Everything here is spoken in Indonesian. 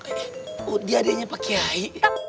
ini adiknya pak kiai